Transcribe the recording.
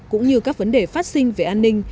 cũng như các vấn đề phát sinh về an ninh